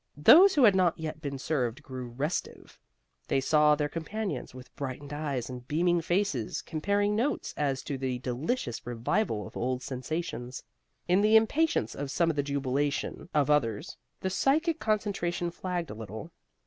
Those who had not yet been served grew restive. They saw their companions with brightened eyes and beaming faces, comparing notes as to this delicious revival of old sensations. In the impatience of some and the jubilation of others, the psychic concentration flagged a little.